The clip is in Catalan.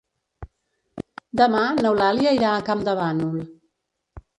Demà n'Eulàlia irà a Campdevànol.